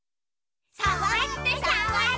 「さわってさわって」